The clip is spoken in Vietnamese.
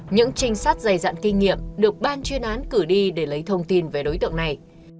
những trinh sát dày dặn kinh nghiệm được ban chuyên án cử đi để lấy thông tin về đối tượng này